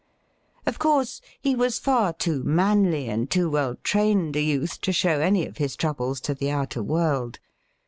Of course, he was far too manly and too well trained a youth to show any of his troubles to the outer world.